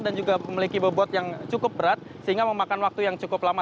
dan juga memiliki bebot yang cukup berat sehingga memakan waktu yang cukup lama